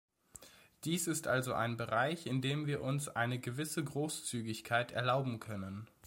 Dies ist also ein Bereich, in dem wir uns eine gewisse Großzügigkeit erlauben können.